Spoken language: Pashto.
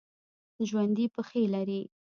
ژوندي پښې لري